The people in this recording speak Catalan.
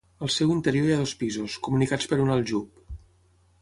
Al seu interior hi ha dos pisos, comunicats per un aljub.